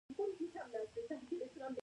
د کور په بام کې سبزیجات وکرم؟